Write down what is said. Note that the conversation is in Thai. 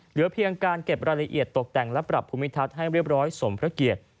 เหลือเพียงการเก็บรายละเอียดตกแต่งและปรับภูมิทัศน์ให้เรียบร้อยสมพระเกียรติ